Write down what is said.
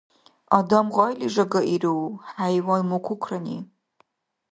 Адам гъайли жагаиру, хӀяйван — мукукрани.